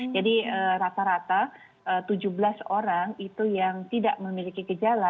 jadi rata rata tujuh belas orang itu yang tidak memiliki kejadian